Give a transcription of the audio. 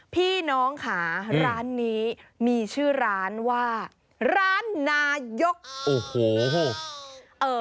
พี่น้องค่ะร้านนี้มีชื่อร้านว่าร้านนายกโอ้โหเอ่อ